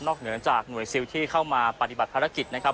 เหนือจากหน่วยซิลที่เข้ามาปฏิบัติภารกิจนะครับ